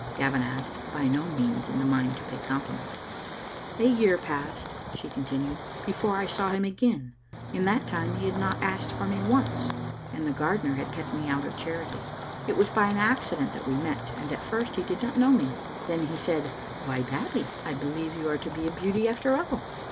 Gavin asked, by no means in the mind to pay compli ments. "A year passed," she continued , "before I saw him again. In that time he had not asked for me once, and the gardener had kept me out of charity. It was by an accident that we met, and at first he did not know me. Then he said, *Why, Babbie, I believe you are to be a beauty, after all!'